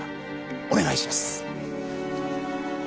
お願いします。